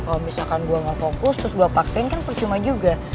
kalau misalkan gue gak fokus terus gue paksain kan percuma juga